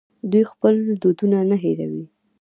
دوی خپل دودونه نه هیروي.